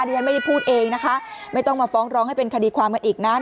ฉันไม่ได้พูดเองนะคะไม่ต้องมาฟ้องร้องให้เป็นคดีความกันอีกนาน